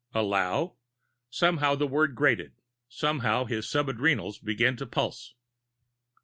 "Allow?" Somehow the word grated; somehow his sub adrenals began to pulse.